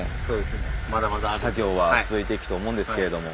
作業は続いていくと思うんですけれども。